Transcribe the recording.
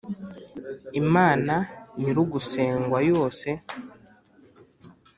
imana nyir’ugusengwa yose